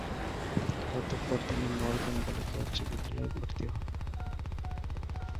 অতঃপর তিনি মর্গ্যান বালিকা উচ্চ বিদ্যালয়ে ভর্তি হন।